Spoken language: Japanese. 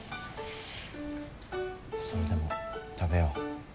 それでも食べよう。